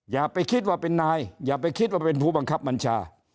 อย่าไปคิดว่าเป็นนายอย่าไปคิดว่าเป็นผู้บังคับบัญชา